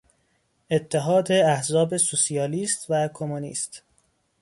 اتحاد احزاب سوسیالیست و کمونیست